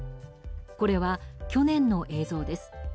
これは去年の映像です。